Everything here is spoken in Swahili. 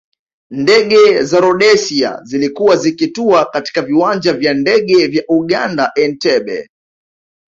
Ndege za Rhodesia zilikuwa zikitua katika viwanja vya ndege vya Uganda Entebbe